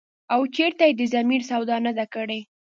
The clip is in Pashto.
او چرته ئې د ضمير سودا نه ده کړې ۔”